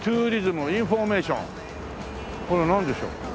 これなんでしょう？